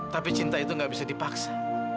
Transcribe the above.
tapi cinta itu gak bisa dipaksa